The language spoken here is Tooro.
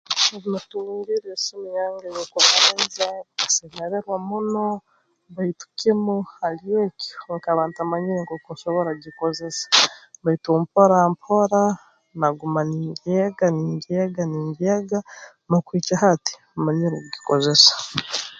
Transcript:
Obu natungire esimu yange ey'okubanza nkasemererwa muno baitu kimu hali eki nkaba ntamanyire nk'oku nsobora kugikozesa baitu mpora mpora naguma ningyega ningyega ningyega n'okuhikya hati mmanyire kugikozesa